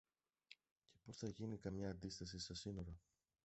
και πως δε θα γίνει καμιά αντίσταση στα σύνορα.